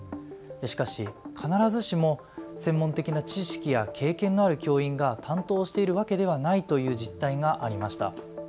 しかし必ずしも専門的な知識や経験のある教員が担当しているわけではないという実態がありました。